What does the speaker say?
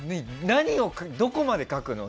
何をどこまで書くの？